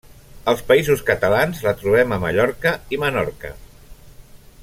Als Països Catalans la trobem a Mallorca i Menorca.